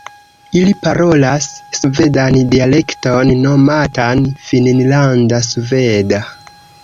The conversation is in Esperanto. Ili parolas svedan dialekton nomatan "finnlanda sveda".